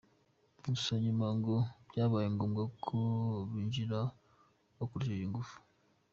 Gusa nyuma ngo byabaye ngombwa ko binjira bakoresheje ingufu.